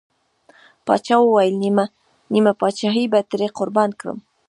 پاچا وويل: نيمه پاچاهي به ترې قربان کړم.